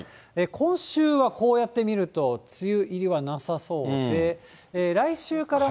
今週はこうやって見ると、梅雨入りはなさそうで、来週から。